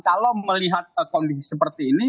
kalau melihat kondisi seperti ini